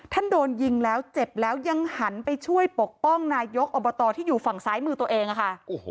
โดนยิงแล้วเจ็บแล้วยังหันไปช่วยปกป้องนายกอบตที่อยู่ฝั่งซ้ายมือตัวเองค่ะ